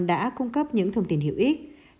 đã cung cấp những thông tin hữu ích